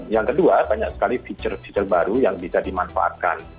yang kedua banyak sekali fitur fitur baru yang bisa dimanfaatkan